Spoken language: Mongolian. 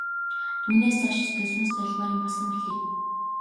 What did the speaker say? Түүнээс цааш ёстой сүнс зайлмаар юм болсон билээ.